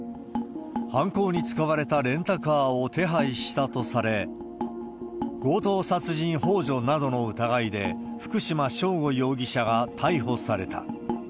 犯行に使われたレンタカーを手配したとされ、強盗殺人ほう助などの疑いで、福島聖悟容疑者が逮捕された。